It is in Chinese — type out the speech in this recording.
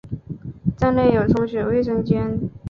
站内有冲水卫生间。